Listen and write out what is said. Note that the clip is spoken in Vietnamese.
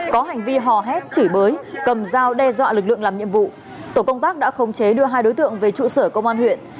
có hành vi hò hét chửi bới cầm dao đe dọa lực lượng làm nhiệm vụ tổ công tác đã khống chế đưa hai đối tượng về trụ sở công an huyện